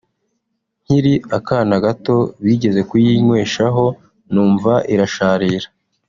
nkiri akana gato bigeze kuyinyweshaho numva irasharira